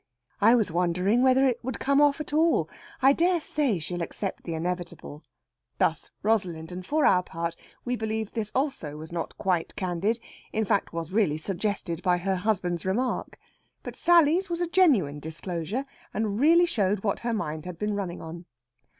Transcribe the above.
"I was wondering whether it would come off at all. I dare say she'll accept the inevitable." Thus Rosalind, and for our part we believe this also was not quite candid in fact, was really suggested by her husband's remark. But Sally's was a genuine disclosure, and really showed what her mind had been running on.